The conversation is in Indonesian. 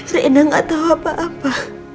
reina gak tau apa apa